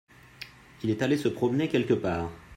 Il est allé se promener quelque part.